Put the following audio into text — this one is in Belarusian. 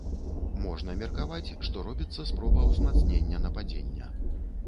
Можна меркаваць, што робіцца спроба ўзмацнення нападзення.